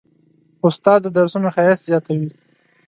استاد د درسونو ښایست زیاتوي.